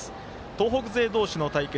東北勢同士の対決